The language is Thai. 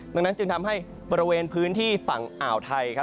ดังนั้นจึงทำให้บริเวณพื้นที่ฝั่งอ่าวไทยครับ